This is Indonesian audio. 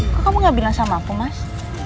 kok kamu gak bilang sama aku mas